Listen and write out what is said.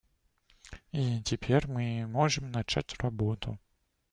И теперь мы можем начать работу.